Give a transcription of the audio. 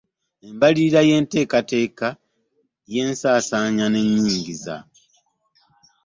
Embalirira y’enteekateeka y’ensaasaanya n’ennyingiza.